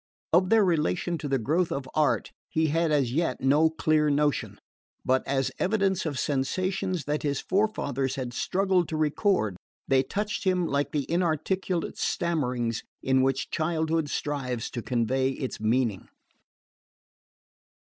Of their relation to the growth of art he had as yet no clear notion; but as evidence of sensations that his forefathers had struggled to record, they touched him like the inarticulate stammerings in which childhood strives to convey its meaning.